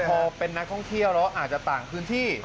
พอเป็นนักท่องเที่ยวแล้วอาจจะต่างพื้นที่